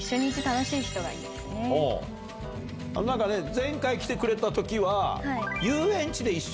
前回来てくれた時は。